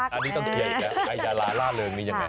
อันนี้ต้องเกี่ยวกับไอยาราร่าเริงนี่ยังไง